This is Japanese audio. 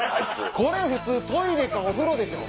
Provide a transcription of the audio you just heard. これ普通トイレかお風呂でしょ。